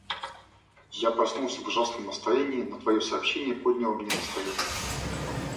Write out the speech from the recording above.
Я проснулся в ужасном настроении, но твое сообщение подняло мне настроение.